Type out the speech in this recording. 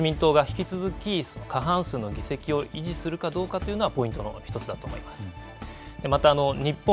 自民党が引き続き過半数の議席を維持するかどうかというのはポイントの１つだと思います。